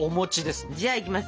じゃあいきます。